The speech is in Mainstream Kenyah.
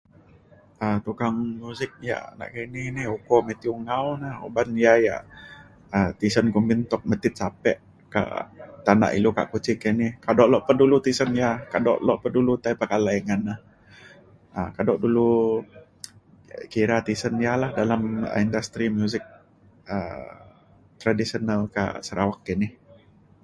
um tukang muzik yak nakini ni uko Mathew Ngau na uban ia’ yak um tisen kumbin tuk metit sape kak tanak ilu kak Kuching kini. kado lok pa dulu tisen ia’ kado lok pa dulu tai pekalai ngan na. um kado dulu kira tisen ia’ lah dalem industri muzik um tradisional kak Sarawak kini.